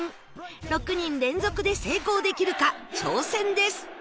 ６人連続で成功できるか挑戦です